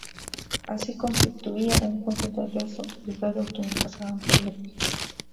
Así, constituía un punto de rezo obligado a quienes pasaban por Lepe.